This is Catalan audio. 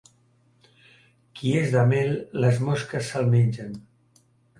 Qui és de mel, les mosques se'l mengen.